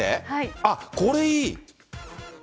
あっ、これ、いい。